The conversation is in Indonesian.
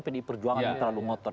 pdi perjuangan ini terlalu ngotot